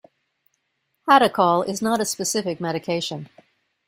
Hadacol is not a specific medication.